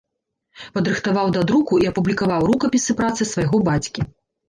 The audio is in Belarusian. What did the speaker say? Падрыхтаваў да друку і апублікаваў рукапісы працы свайго бацькі.